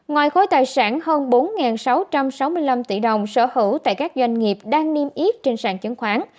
ngoài khối tài sản hơn bốn sáu trăm sáu mươi năm tỷ đồng sở hữu tại các doanh nghiệp đang niêm yết trên sàn chứng khoán